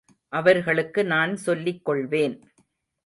அவர்களுக்கு நான் சொல்லிக் கொள்வேன்.